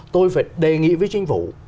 tôi phải đề nghị với chính phủ